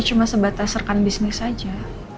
cuma sebatas serkan bisnis aja